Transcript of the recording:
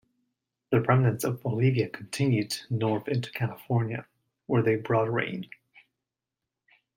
The remnants of Olivia continued north into California, where they brought rain.